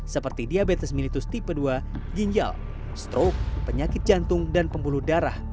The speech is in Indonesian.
seperti diabetes militus tipe dua ginjal stroke penyakit jantung dan pembuluh darah